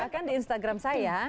bahkan di instagram saya